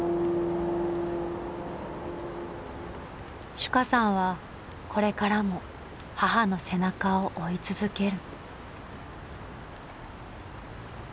珠夏さんはこれからも母の背中を追い続ける。